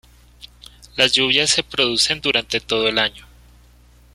Las lluvias se producen durante todo el año.